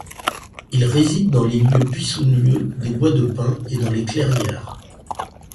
Il réside dans les lieux buissonneux des bois de pins et dans les clairières.